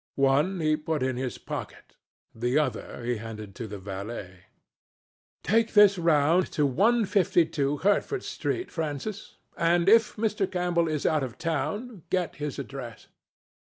One he put in his pocket, the other he handed to the valet. "Take this round to 152, Hertford Street, Francis, and if Mr. Campbell is out of town, get his address."